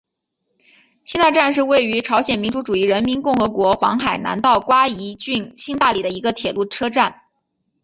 新大站是位于朝鲜民主主义人民共和国黄海南道瓜饴郡新大里的一个铁路车站。